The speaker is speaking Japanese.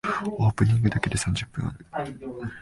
オープニングだけで三十分ある。